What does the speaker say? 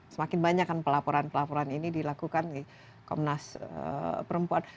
semakin banyak kan pelaporan pelaporan ini dilakukan di komnas perempuan